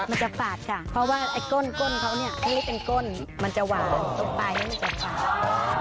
มันจะฝาดค่ะเพราะว่าก้นเขานี่เป็นก้นมันจะหวานตรงไปให้มันจะขาด